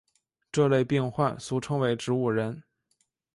这类病患俗称为植物人。